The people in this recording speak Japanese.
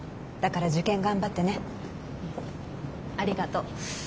だから受験頑張ってね。ありがと。